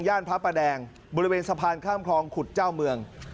พระประแดงบริเวณสะพานข้ามคลองขุดเจ้าเมือง